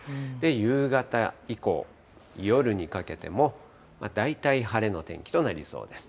夕方以降、夜にかけても、大体晴れの天気となりそうです。